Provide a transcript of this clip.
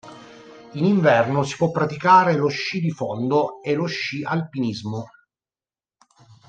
In inverno si può praticare lo sci di fondo e lo sci alpinismo.